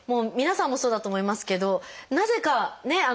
皆さんもそうだと思いますけどなぜかね